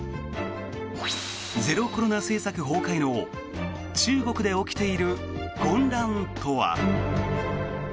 ゼロコロナ政策崩壊の中国で起きている混乱とは。